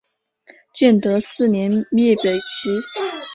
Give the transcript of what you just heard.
建德四年灭北齐。